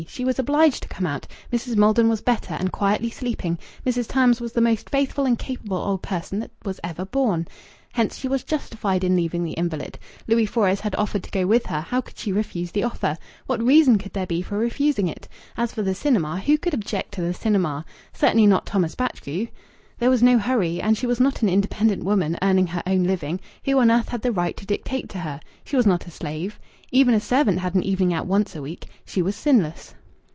She was obliged to come out. Mrs. Maldon was better, and quietly sleeping. Mrs. Tarns was the most faithful and capable old person that was ever born. Hence she was justified in leaving the invalid. Louis Fores had offered to go with her. How could she refuse the offer? What reason could there be for refusing it? As for the cinema, who could object to the cinema? Certainly not Thomas Batchgrew! There was no hurry. And was she not an independent woman, earning her own living? Who on earth had the right to dictate to her? She was not a slave. Even a servant had an evening out once a week. She was sinless....